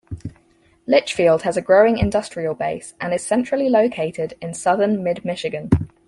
Litchfield has a growing industrial base and is centrally located in southern Mid-Michigan.